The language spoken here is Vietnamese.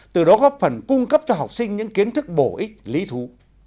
từ đó góp phần cung cấp cho học sinh những kiến thức bổ ích lý thú